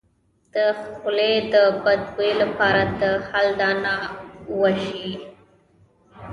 د خولې د بد بوی لپاره د هل دانه وژويئ